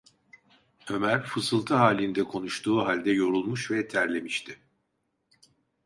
Ömer fısıltı halinde konuştuğu halde yorulmuş ve terlemişti.